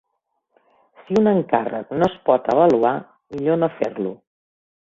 Si un encàrrec no es pot avaluar, millor no fer-lo.